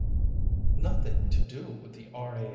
"Nothing to do with the R.